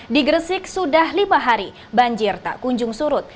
di gresik sudah lima hari banjir tak kunjung surut